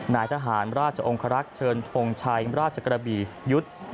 นายทหารราชองครักษ์เชิญทงชัยราชกระบียุทธ์